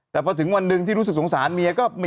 แต่พอถึงวันหนึ่งที่รู้สึกสงสารเมีย